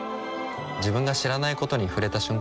自分が知らないことに触れた瞬間